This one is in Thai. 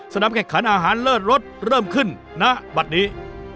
แข่งขันอาหารเลิศรสเริ่มขึ้นณบัตรนี้